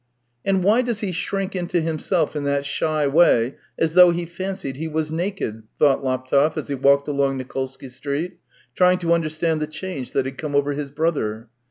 " And why does he shrink into himself in that shy way as though he fancied he was naked ?" thought Laptev, as he walked along Nikolsky Street, trying to understand the change that had come over his brother.